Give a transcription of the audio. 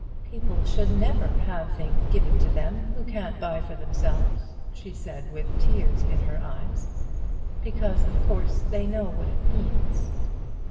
"People should never have things given them, who can't buy for themselves," she said, with tears in her eyes, "because of course they know what it means."